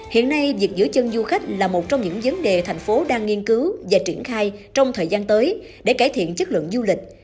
hiện nay việc giữ chân du khách là một trong những vấn đề thành phố đang nghiên cứu và triển khai trong thời gian tới để cải thiện chất lượng du lịch